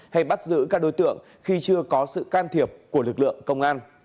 hay bắt giữ các đối tượng khi chưa có sự can thiệp của lực lượng công an